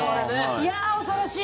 いやあ恐ろしい。